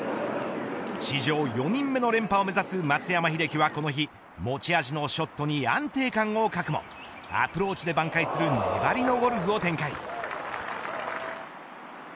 史上４人目の連覇を目指す松山英樹はこの日持ち味のショットに安定感を欠くもアプローチで挽回する粘りのゴルフを展開。